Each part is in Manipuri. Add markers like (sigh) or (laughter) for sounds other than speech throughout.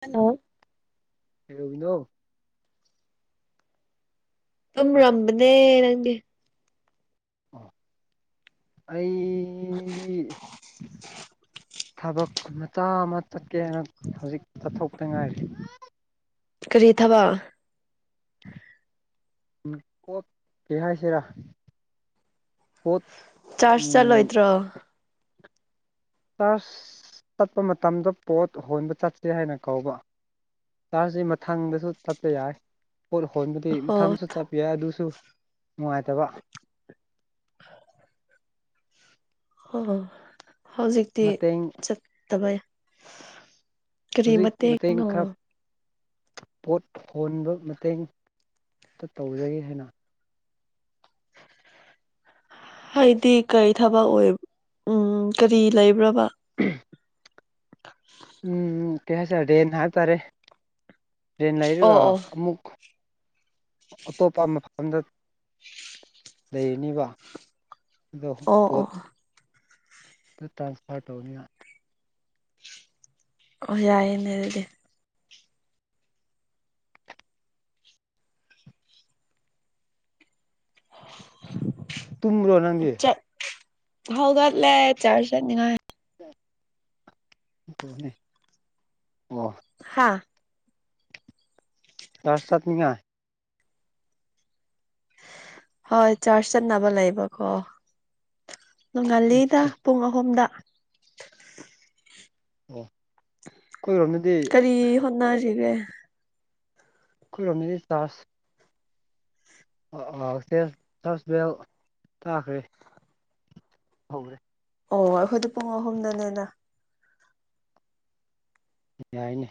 ꯍꯂꯣ ꯀꯔꯤꯅꯣ (unintelligible) ꯅꯪꯗꯤ ꯑꯣ ꯑꯩꯗꯤ ꯊꯕꯛ ꯃꯆꯥ ꯑꯃ ꯆꯠꯀꯦꯅ ꯍꯧꯖꯤꯛ ꯇꯠꯊꯣꯛꯇ ꯉꯥꯏꯔꯤ ꯀꯔꯤ ꯊꯕ (unintelligible) ꯍꯥꯏꯁꯤꯔꯥ ꯍꯣꯠ ꯆꯥꯖ ꯆꯂꯣ ꯏꯠꯇ꯭ꯔꯣ ꯀꯂ꯭ꯥꯁ ꯆꯠꯄ ꯃꯇꯝꯗ ꯄꯣꯠ ꯍꯣꯟꯕ ꯆꯠꯁꯦ ꯍꯥꯏꯅ ꯀꯧꯕ ꯆꯥꯔꯖꯁꯤ ꯃꯊꯪꯗꯁꯨ ꯆꯠꯄ ꯌꯥꯏ ꯄꯣꯠ ꯍꯣꯟꯕꯗꯤ ꯑꯣ ꯃꯊꯪꯁꯨ ꯆꯠꯄ ꯌꯥꯏ ꯑꯗꯨꯁꯨ ꯅꯨꯡꯉꯥꯏ ꯇꯕ ꯑꯣ ꯍꯧꯖꯤꯛꯇꯤ ꯃꯇꯦꯡ ꯆꯠꯇꯕ ꯀꯔꯤ ꯍꯧꯖꯤꯛ ꯃꯇꯦꯡꯅꯣ ꯃꯇꯦꯡꯈꯞ ꯄꯣꯠ ꯍꯣꯟꯕ ꯃꯇꯦꯡꯇ ꯇꯧꯖꯒꯦ ꯍꯥꯏꯅ ꯍꯥꯏꯗꯤ ꯀꯔꯤ ꯊꯕꯛ ꯑꯣꯏ ꯎꯝ ꯀꯔꯤ ꯂꯩꯕ꯭ꯔꯕ (unintelligible) (unintelligible) ꯎꯝ ꯀꯩ ꯍꯥꯏꯁꯦꯔꯦ ꯔꯦꯟ ꯍꯥꯏꯕ ꯇꯔꯦ ꯔꯦꯟ ꯑꯣ ꯂꯩꯔꯒ ꯑꯣ ꯑꯃꯨꯛ ꯑꯇꯣꯞꯄ ꯃꯐꯝꯗ ꯂꯩꯅꯕ ꯑ ꯑꯣ ꯑꯣ ꯄꯣꯠ ꯇ꯭ꯔꯥꯟꯁꯐꯥꯔ ꯇꯧꯅꯤꯅ ꯑꯣ ꯌꯥꯏꯌꯦꯦꯅꯦ ꯑꯗꯨꯗꯤ ꯇꯨꯝꯕ꯭ꯔꯣ ꯅꯪꯗꯤ ꯍꯒꯗꯂꯦ ꯆꯥ ꯆꯠꯅꯤꯉ ꯑꯣ ꯑ ꯇꯔ ꯆꯠ ꯅꯤꯡꯉ ꯍꯣꯏ ꯆꯔ ꯆ ꯆꯠ ꯅꯕ ꯂꯕ ꯀꯣ ꯅꯣꯡꯉꯜꯂꯤꯗ ꯑꯠꯆꯥ ꯄꯨꯡ ꯑꯍꯨꯝꯗ ꯑꯣ ꯑꯩꯈꯣꯏꯔꯣꯝꯗꯗꯤ ꯀꯔꯤ ꯍꯣꯅꯥ ꯁꯤꯒ ꯑꯩꯈꯣꯏꯔꯣꯝ ꯆꯥꯁ ꯑꯁ ꯇꯥꯈꯔꯦ ꯍ꯭ꯔꯦ ꯑꯣ ꯑꯩꯈꯣꯏꯗꯤ ꯄꯨꯡ ꯑꯍꯨꯝꯗꯅꯦꯅ ꯌꯥꯏꯅꯤ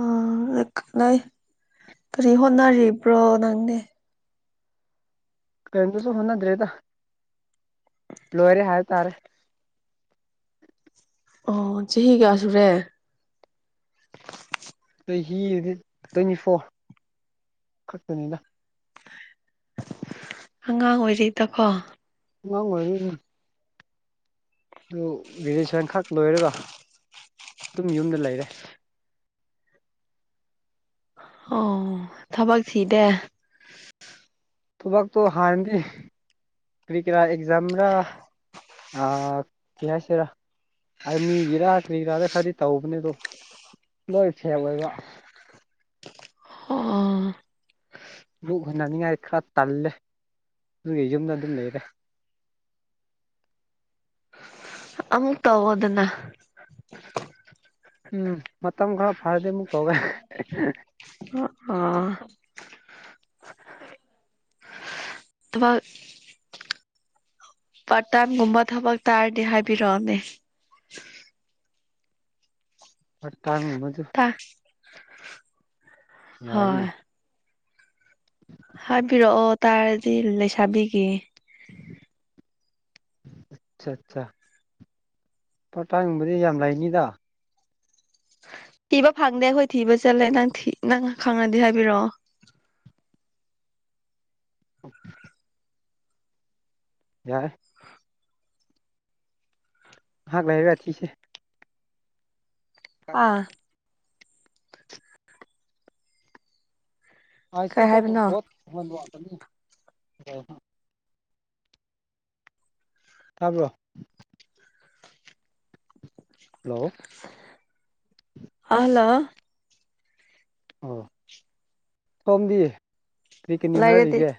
ꯑ ꯅ ꯀꯔꯤ ꯍꯣꯠꯅꯔꯤꯕ꯭ꯔꯣ ꯅꯪꯅꯦ ꯀꯗꯁꯨꯣ ꯍꯅ ꯗ꯭ꯔꯦꯗ ꯂꯣꯏꯔꯦ ꯍꯥꯏꯕ ꯇꯥꯔꯦ ꯑꯣ ꯆꯍꯤ ꯀꯌꯥ ꯁꯨꯔꯦ ꯆꯍꯤꯗꯤ ꯇ꯭ꯋꯦꯟꯇꯤ ꯐꯣꯔ ꯈꯛꯇꯅꯤꯅ ꯑꯉꯥꯡ ꯑꯣꯏꯔꯤꯩꯗꯀꯣ ꯋꯥ ꯑꯣꯏ ꯑꯗꯨ ꯒꯦꯖꯌꯦꯁꯟ ꯈꯛ ꯂꯣꯏꯔꯒ ꯑꯗꯨꯝ ꯌꯨꯝꯗ ꯂꯩꯔꯦ ꯑꯣ ꯊꯕꯛꯁꯤ ꯗꯦ ꯊ ꯋꯥꯛꯇ ꯍꯥꯟꯗꯤ ꯀꯔꯤ ꯀ꯭ꯔꯥ ꯑꯦꯛꯖꯝꯔꯥ ꯑ ꯀꯩꯅꯁꯤꯔ ꯑꯥꯔꯃꯤꯒꯤꯔꯥ ꯀꯔꯤꯒꯤꯔꯥꯗ ꯈꯔꯗꯤ ꯇꯧꯕꯅꯦ ꯑꯗꯣ ꯂꯣꯏ ꯁꯦꯞ ꯑꯣꯏꯕ ꯑꯣ ꯃꯨꯛ ꯍꯨꯟꯅꯅꯤꯡꯉꯥꯏ ꯈꯔ ꯇꯜꯂꯦ ꯑꯗꯨꯒꯤ ꯌꯨꯝꯗ ꯑꯗꯨꯝ ꯂꯩꯔꯦ (unintelligible) ꯑꯃꯨꯛ ꯇꯧꯑꯣꯗꯅ ꯎꯝ ꯃꯇꯝ ꯈꯔ ꯐꯔꯗꯤ ꯑꯃꯨꯛ ꯇꯧꯒ ꯑꯣ ꯑꯕꯥ ꯄꯥꯇꯥꯟꯒꯨꯝꯕ ꯊꯕꯛ ꯇꯥꯔꯗꯤ ꯍꯥꯏꯕꯤꯔꯛꯑꯅꯦ ꯍ ꯇꯥꯏꯝꯒꯃꯗꯨ ꯇꯥ ꯌꯥꯏꯅꯦ ꯍꯣꯏ ꯍꯥꯏꯕꯤꯔꯛꯑꯣ ꯇꯥꯔꯗꯤ ꯂꯩꯁꯥꯕꯤꯒꯦ (unintelligible) ꯑꯠꯆꯥ ꯑꯠꯆꯥ ꯄꯇꯥꯡꯕꯗꯤ ꯌꯥꯝ ꯂꯩꯅꯤꯗ ꯊꯤꯕ ꯐꯪꯗꯦ ꯑꯩꯈꯣꯏ ꯊꯤꯕ ꯆꯠꯂꯦ ꯅꯪ ꯅꯪ ꯈꯪꯉꯗꯤ ꯍꯥꯏꯕꯤꯔꯛꯑꯣ ꯌꯥꯏ ꯍꯥꯥꯛ ꯥꯏ ꯔꯤꯁ ꯑꯥ ꯑ ꯀꯩ ꯁꯨꯡ ꯁꯪꯗ ꯍꯥꯏꯕꯅꯣ ꯄꯣꯠ ꯍꯗ ꯋꯥꯀꯅꯤ ꯍꯣꯏ ꯍꯣꯏ ꯊꯥꯕ꯭ꯔꯣ ꯍꯜꯂꯣ ꯑꯂꯣ ꯑꯣ ꯁꯣꯝꯗꯤ ꯀꯔꯤ ꯀꯅꯤ ꯂꯩꯔꯗꯤ ꯍꯣꯠꯅꯔꯤꯒꯦ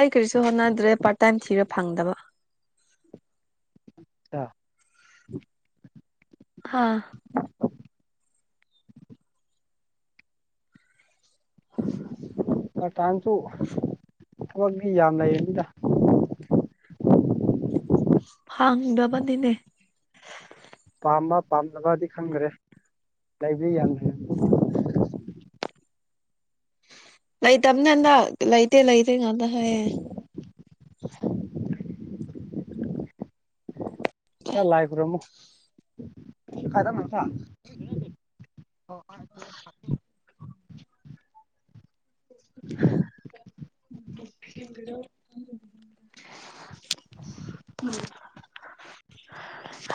ꯑꯩ ꯀꯔꯤꯁꯨ ꯍꯣꯠꯅꯗ꯭ꯔꯦ ꯄꯥꯔꯠ ꯇꯥꯏꯝ ꯊꯤꯔ ꯐꯪꯗꯕ ꯑ ꯍꯥ ꯑ ꯀꯇꯥꯟꯁꯨ ꯃꯒꯤ ꯌꯥꯝ ꯂꯩꯅꯤꯗ ꯐꯥꯉꯗꯕꯅꯤꯅꯦ ꯄꯥꯝꯕ ꯄꯥꯝꯅꯕꯗꯤ ꯈꯪꯈ꯭ꯔꯦ ꯂꯩꯕ ꯌꯥꯝꯅ ꯂꯣꯏ ꯇꯝꯅꯗ ꯂ ꯂꯩꯇꯦ ꯂꯩꯇ ꯉꯗ ꯍꯌꯦꯦ (unintelligible) ꯍ ꯂꯥꯏ ꯈꯨ꯭ꯔꯣꯃꯣ ꯀꯥꯏꯗ ꯊ ꯍ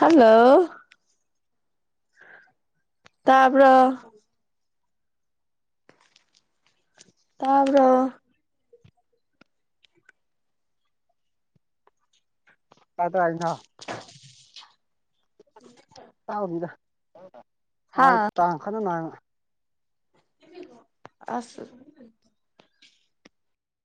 (inaudible) (inaudible) ꯍꯜꯂꯣ ꯇꯄꯔ ꯇꯕ꯭ꯔ ꯀꯗ ꯍꯥꯏꯅ ꯔꯤꯗ ꯑ ꯍꯥ ꯇꯥꯡ ꯈꯅ ꯅꯥꯥꯡꯉ ꯑꯁ